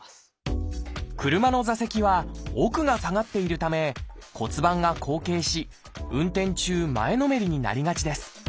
車の座席は奥が下がっているため骨盤が後傾し運転中前のめりになりがちです。